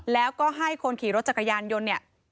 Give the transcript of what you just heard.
แล้วก็ให้คนขี่รถจักรยานยนต์เนี่ย